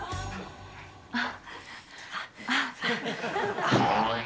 あっ。